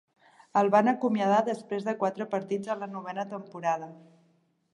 El van acomiadar després de quatre partits en la novena temporada.